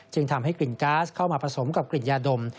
ทำให้กลิ่นก๊าซเข้ามาผสมกับกลิ่นยาดม